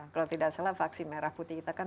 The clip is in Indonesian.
kalau tidak salah vaksin merah putih kita kan